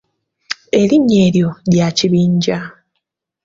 Erinnya eryo lya kibinja.